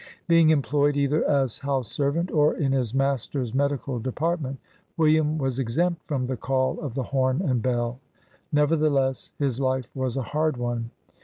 Being employed either as house servant, or in his master's medical depart ment, William was exempt from the call of the horn and bell. Nevertheless, his life was a hard one.